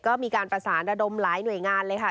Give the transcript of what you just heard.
ก็มีการประสานระดมหลายหน่วยงานเลยค่ะ